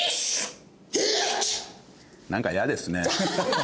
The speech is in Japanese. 「」なんか嫌ですね。